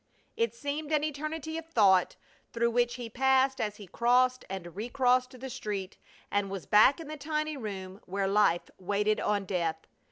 It seemed an eternity of thought through which he passed as he crossed and recrossed the street and was back in the tiny room where life waited on death.